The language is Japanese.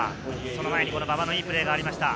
その前に馬場のいいプレーがありました。